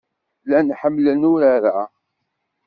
Llan ḥemmlen urar-a.